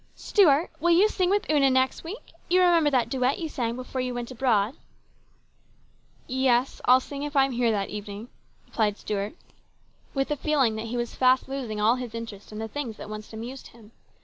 " Stuart, will you sing with Una next week ? You remember that duet you sang before you went abroad ?"" Yes, I'll sing if I am here that evening," replied Stuart, with a feeling that he was fast losing all his interest in the things that once amused him.